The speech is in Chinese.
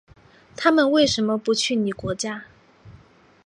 他们为什么去你国家？